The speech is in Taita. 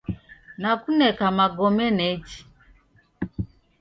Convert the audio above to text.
Nakuneka magome nechi.